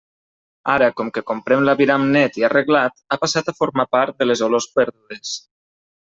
Ara, com que comprem l'aviram net i arreglat, ha passat a formar part de les olors perdudes.